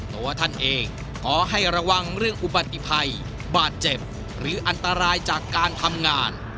ตัวท่านเองขอให้ระวังเรื่องอุบัติภัยบาดเจ็บหรืออันตรายจากการทำงาน